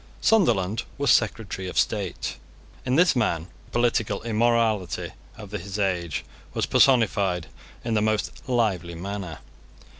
Sunderland was Secretary of State. In this man the political immorality of his age was personified in the most lively manner.